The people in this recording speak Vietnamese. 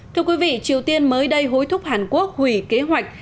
thưa quý vị triều tiên mới đây hối thúc hàn quốc hủy kế hoạch